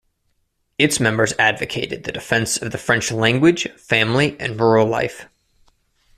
Its members advocated the defense of the French language, family, and rural life.